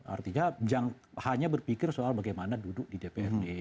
artinya hanya berpikir soal bagaimana duduk di dprd